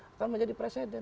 akan menjadi presiden